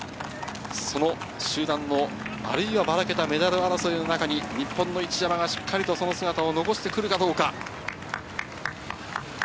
その集団の、あるいは、ばらけたメダル争いの中に日本の一山がしっかりと、その姿を残してくるかどうか。